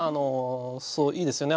そういいですよね。